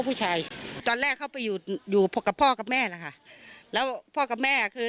ผู้ชายตอนแรกเขาไปอยู่อยู่กับพ่อกับแม่นะคะแล้วพ่อกับแม่คือ